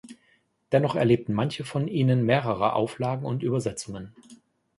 Dennoch erlebten manche von ihnen mehrere Auflagen und Übersetzungen.